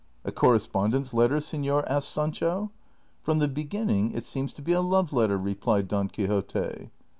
A correspondence letter, senor ?" asked Sancho. " From the beginning it seems to be a love letter," replied Don Quixote.